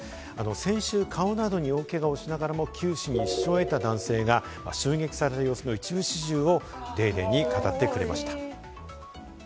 先週、顔などに大怪我をしながらも九死に一生を得た男性が襲撃される様子の一部始終を『ＤａｙＤａｙ．』に語ってくれました。